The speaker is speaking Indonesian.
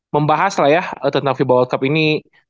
membahas lah ya tentang fiba world cup ini